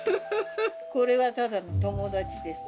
これはただの友達です。